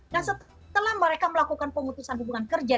nah setelah mereka melakukan pemutusan hubungan kerja